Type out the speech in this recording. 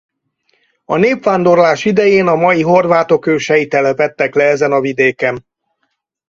A népvándorlás idején a mai horvátok ősei telepedtek le ezen a vidéken.